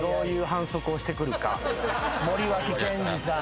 森脇健児さん。